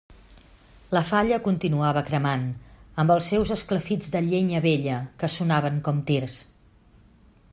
La falla continuava cremant, amb els seus esclafits de llenya vella que sonaven com tirs.